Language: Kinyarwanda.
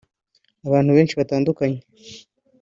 abantu benshi batandukanye